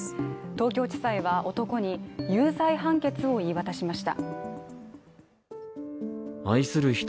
東京地裁は男に有罪判決を言い渡しました。